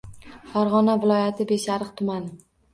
Farg‘ona viloyati Beshariq tumani